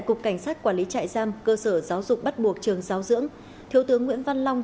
cục cảnh sát quản lý trại giam cơ sở giáo dục bắt buộc trường giáo dưỡng thiếu tướng nguyễn văn long